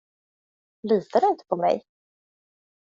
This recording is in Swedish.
Litar du inte på mig?